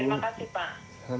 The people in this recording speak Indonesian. baik bu terima kasih kalau